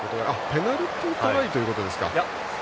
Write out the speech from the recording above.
ペナルティートライということですか？